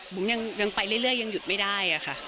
ยังไปเรื่อยยังหยุดไม่ได้ค่ะ